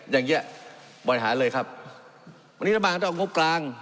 อย่างเงี้ยปล่อยหาเลยครับวันนี้เรามาก็จะเอางบกลาง